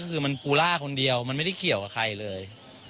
ก็คือมันปูล่าคนเดียวมันไม่ได้เกี่ยวกับใครเลย